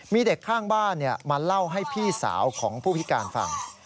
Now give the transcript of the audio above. มีเด็กข้างบ้านมาเล่าให้พี่สาวของผู้พิการฟัง